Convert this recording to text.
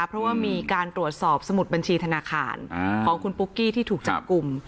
เพราะว่ามีการตรวจสอบสมุดบัญชีธนาคารของคุณปุ๊กกี้ที่ถูกจับกลุ่ม